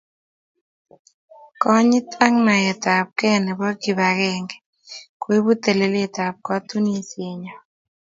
Konyit ak naetab gee nebo kip agenge koibu teleletab katunisienyoo